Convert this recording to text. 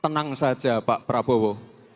tenang saja pak prabowo